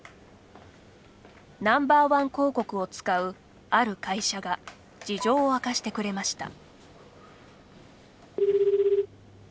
Ｎｏ．１広告を使うある会社が事情を明かしてくれました。